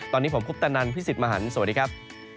ตอนนี้ผมคุปตะนันพี่สิทธิ์มหันฯสวัสดีครับ